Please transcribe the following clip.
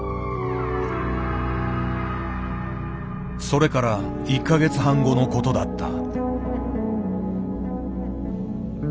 それから１か月半後のことだった。